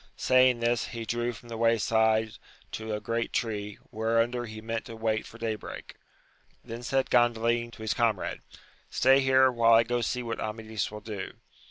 Saying this, he drew from the way side to a great tree, whereunder he meant to wait for day break Then said Gandalin to his comrade. Stay here while I go see what Amadis will do.